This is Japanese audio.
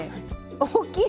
大きい！